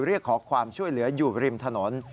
เรียกขอความช่วยเหลืออยู่ริมถนน